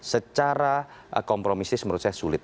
secara kompromistis menurut saya sulit